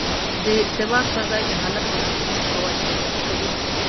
د سواد پر ځای جهالت د حاکمیت په وجاهت بدلوي.